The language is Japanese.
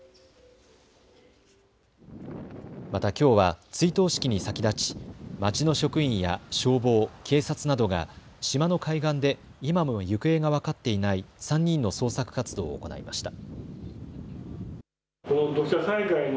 また、きょうは追悼式に先立ち町の職員や消防、警察などが島の海岸で今も行方が分かっていない３人の捜索活動を行いました。